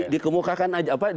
dikemukakan aja apa